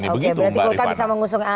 oke berarti wolkar bisa mengusulkan